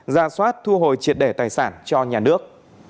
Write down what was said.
ra soát thu hồi triệt để tài sản cho nhà nước